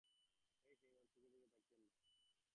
হেই, hey, ওর চোখের দিকে তাকিয়েন না।